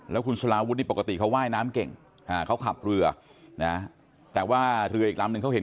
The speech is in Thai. แล้วคุณสลาวุฒินี่ปกติเขาว่ายน้ำเก่งเขาขับเรือนะแต่ว่าเรืออีกลำนึงเขาเห็น